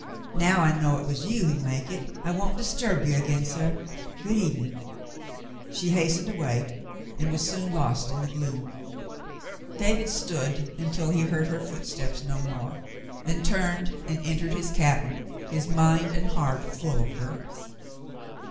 Now I know it is you who make it I won't dis turb you again, suh. Good evening." She hastened away and was soon lost in the gloom. David stood until he heard her footsteps no more, then turned and entered his cabin, his mind and heart full of her.